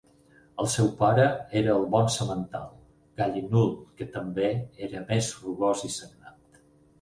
El seu pare era el bon semental, Gallinule que també era més rugós i sagnant.